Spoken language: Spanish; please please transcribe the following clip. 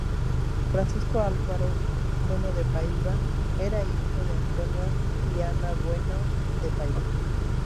Francisco Álvaro Bueno de Paiva era hijo de Antônio y Ana Bueno de Paiva.